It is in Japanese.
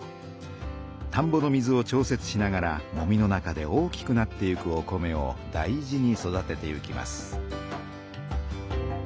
たんぼの水を調節しながらもみの中で大きくなっていくお米を大事に育てていきます。